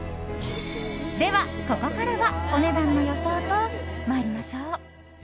では、ここからはお値段の予想と参りましょう。